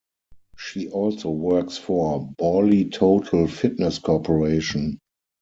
She also works for Bally Total Fitness Corporation.